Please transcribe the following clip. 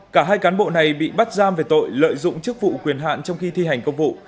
cả hai cán bộ này bị bắt giam về tội lợi dụng chức vụ quyền hạn trong khi thi hành công vụ